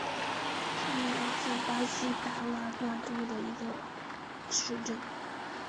皮尼扬是巴西巴拉那州的一个市镇。